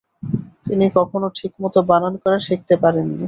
তিনি কখনো ঠিকমত বানান করা শিখতে পারেন নি।